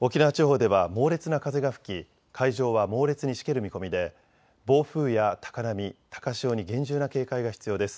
沖縄地方では猛烈な風が吹き海上は猛烈にしける見込みで暴風や高波、高潮に厳重な警戒が必要です。